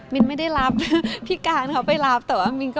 อ๋อแมนกันกายตามื้อ